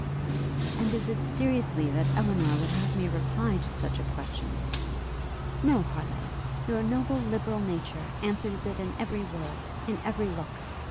'And is it seriously that Elinor would have me reply to such a question?' 'No, Harleigh! your noble, liberal nature answers it in every word, in every look!